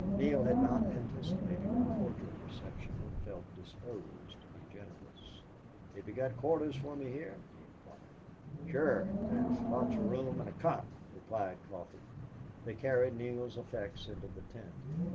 Neale had not anticipated a cordial reception and felt disposed to be generous. "Have you got quarters for me here?" he inquired. "Sure. There's lots of room and a cot," replied Coffee. They carried Neale's effects inside the tent.